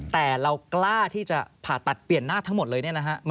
แต่เรากล้าที่จะผ่าตัดเปลี่ยนหน้าทั้งหมดเลยเนี่ยนะฮะ